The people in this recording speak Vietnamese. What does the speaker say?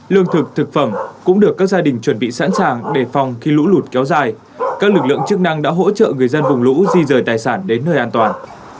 lương thực thực phẩm cũng được các gia đình chuẩn bị sẵn sàng để phòng khi lũ lụt kéo dài các lực lượng chức năng đã hỗ trợ người dân vùng lũ di rời tài sản đến nơi an toàn